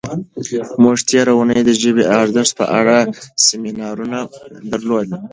موږ تېره اونۍ د ژبې د ارزښت په اړه سیمینار درلود.